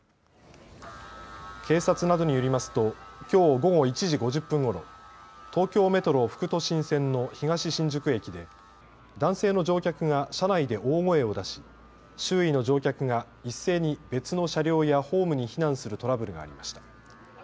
警察などによりますときょう午後１時５０分ごろ、東京メトロ副都心線の東新宿駅で男性の乗客が車内で大声を出し周囲の乗客が一斉に別の車両やホームに避難するトラブルがありました。